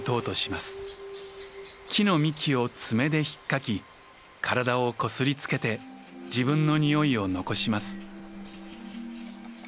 木の幹を爪でひっかき体をこすりつけて自分の臭いを残します。